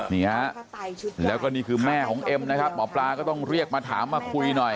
นี่ฮะแล้วก็นี่คือแม่ของเอ็มนะครับหมอปลาก็ต้องเรียกมาถามมาคุยหน่อย